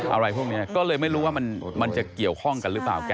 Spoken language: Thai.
อะไรพวกนี้ก็เลยไม่รู้ว่ามันจะเกี่ยวข้องกันหรือเปล่า